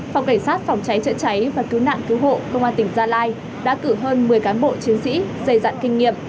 phòng cảnh sát phòng cháy chữa cháy và cứu nạn cứu hộ công an tỉnh gia lai đã cử hơn một mươi cán bộ chiến sĩ dày dặn kinh nghiệm